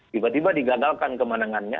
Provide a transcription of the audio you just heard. tiba tiba digagalkan kemanangannya